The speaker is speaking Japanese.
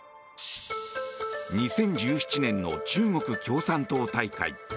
２０１７年の中国共産党大会。